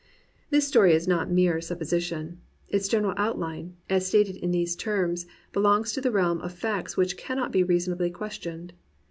This story is not a mere supposition: its general outline, stated in these terms, belongs to the realm of facts which cannot reasonably be questioned.